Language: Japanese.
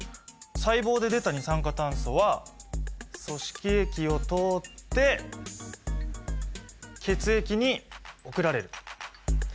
細胞で出た二酸化炭素は組織液を通って血液に送られる。